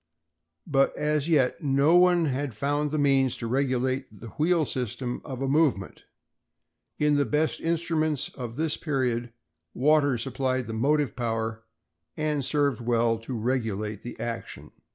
But as yet, no one had found means to regulate the wheel system of a movement. In the best instruments of this period, water supplied the motive power and served as well to regulate the action."